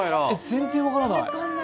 全然分からない。